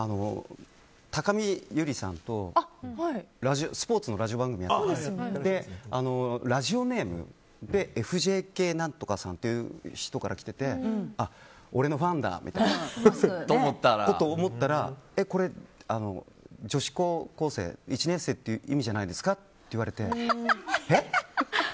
高見侑里さんとスポーツのラジオ番組をやっていてラジオネームでＦＪＫ何とかさんという人からきてて俺のファンだって思ったらこれ、女子高校生１年生って意味じゃないですかって言われてえ？って。